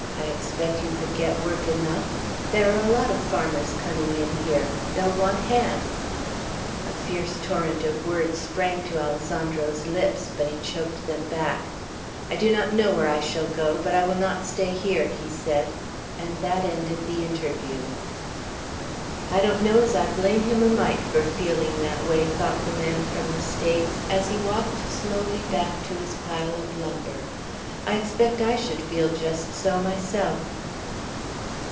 I expect you could get work enough; there are a lot of farmers coming in here; they'll want hands." A fierce torrent of words sprang to Alessandro's lips, but he choked them back. "I do not know where I shall go, but I will not stay here," he said; and that ended the interview. "I don't know as I blame him a mite for feeling that way," thought the man from the States, as he walked slowly back to his pile of lumber. "I expect I should feel just so myself."